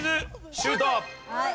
シュート！